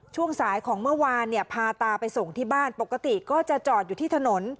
ช่วงสายของเมื่อวานเนี่ยพาตาไปส่งที่บ้านปกติก็จะจอดอยู่ที่ถนน